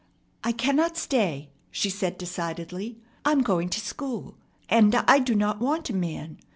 "I cannot stay," she said decidedly. "I'm going to school. And I do not want a man.